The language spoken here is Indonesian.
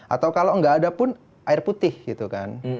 atau kalau nggak ada pun air putih gitu kan